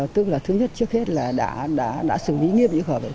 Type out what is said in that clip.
tức là thứ nhất trước hết là đã xử lý nghiêm trường hợp này